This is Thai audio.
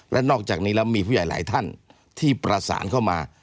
และนอกจากนี้แล้วมีผู้ใหญ่หลายท่านที่ประสานเข้ามา